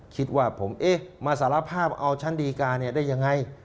คิดว่าผมมาสารภาพเอาชั้นดีการเนี่ยได้อย่างไร